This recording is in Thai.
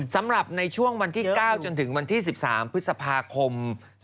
สำหรับในช่วงวันที่๙จนถึงวันที่๑๓พฤษภาคม๒๕๖